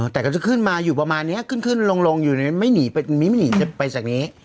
แต่ก็จะขึ้นมาอยู่ประมาณนี้ขึ้นขึ้นลงอยู่ไม่หนีไม่หนีจะไปจากนี้